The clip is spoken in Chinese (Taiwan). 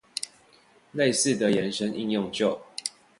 類似的延伸應用就